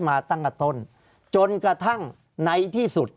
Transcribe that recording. ภารกิจสรรค์ภารกิจสรรค์